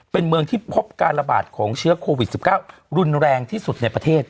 เป็นเมืองที่พบการระบาดของเชื้อโควิด๑๙รุนแรงที่สุดในประเทศ